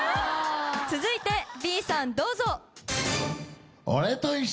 続いてＢさんどうぞ！